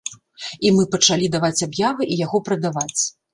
І мы пачалі даваць аб'явы і яго прадаваць.